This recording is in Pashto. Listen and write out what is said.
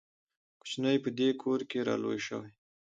کوچنی په دې کور کې را لوی شوی.